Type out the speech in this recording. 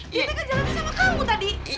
dia tekan jalanan sama kamu tadi